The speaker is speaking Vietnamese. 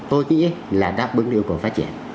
tôi nghĩ là đáp ứng điều cổ phát triển